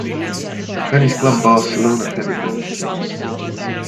Spanish club Barcelona had the most winners.